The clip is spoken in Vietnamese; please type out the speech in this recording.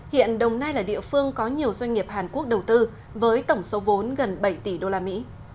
hiện đồng nai là địa phương có nhiều doanh nghiệp hàn quốc đầu tư với tổng số vốn gần bảy tỷ usd